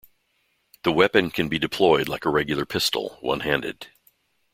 The weapon can be deployed like a regular pistol, one-handed.